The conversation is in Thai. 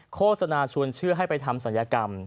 โฆษณาชวนเชื่อให้ไปทำศัลยกรรม